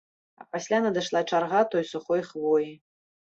А пасля надышла чарга той сухой хвоі.